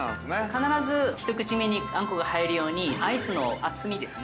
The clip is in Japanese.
◆必ず一口目にあんこが入るようにアイスの厚みですね。